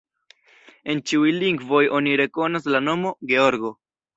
En ĉiuj lingvoj oni rekonas la nomo: Georgo.